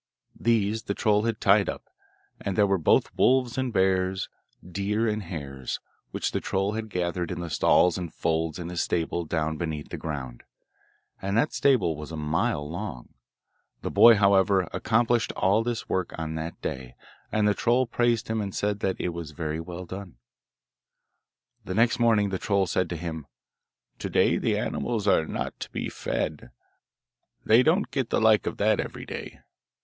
These the troll had tied up, and there were both wolves and bears, deer and hares, which the troll had gathered in the stalls and folds in his stable down beneath the ground, and that stable was a mile long. The boy, however, accomplished all this work on that day, and the troll praised him and said that it was very well done. Next morning the troll said to him, 'To day the animals are not to be fed; they don't get the like of that every day.